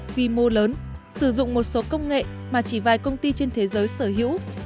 quy mô lớn sử dụng một số công nghệ mà chỉ vài công ty trên thế giới sở hữu